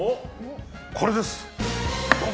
これです！